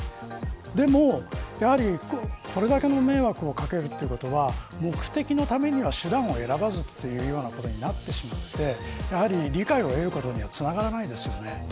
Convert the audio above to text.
でも、これだけの迷惑をかけるということは目的のためには、手段を選ばずということになってしまって理解を得ることにはつながらないです。